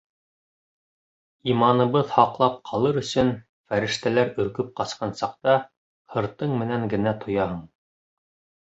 Иманыбыҙ һаҡлап ҡалыр өсөн, Фәрештәләр өркөп ҡасҡан саҡта, Һыртың менән генә тояһың.